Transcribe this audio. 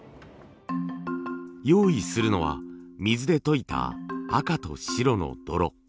用意するのは水で溶いた赤と白の泥。